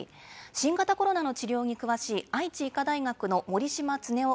新型コロナの治療に詳しい愛知医科大学の森島恒雄